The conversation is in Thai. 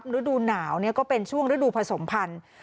ฤดูหนาวก็เป็นช่วงฤดูผสมพันธุ์